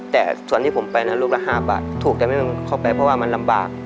แต่ส่วนที่ผมไปนะลูกละ๕บาทถูกแต่ไม่เข้าไปเพราะว่ามันลำบาก